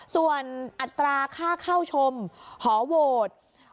ส่วนอัตราค่าเข้าชมหอโหวต